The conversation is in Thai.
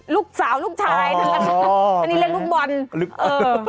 ลูกสาวลูกชายเธออันนี้เรียกลูกบอลเออ